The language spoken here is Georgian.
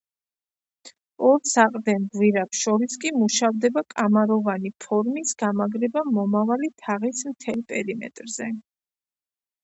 ორ საყრდენ გვირაბს შორის კი მუშავდება კამაროვანი ფორმის გამაგრება, მომავალი თაღის მთელ პერიმეტრზე.